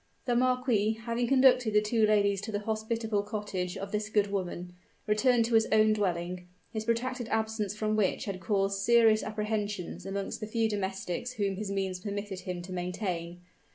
The marquis, having conducted the two ladies to the hospitable cottage of this good woman, returned to his own dwelling, his protracted absence from which had caused serious apprehensions amongst the few domestics whom his means permitted him to maintain.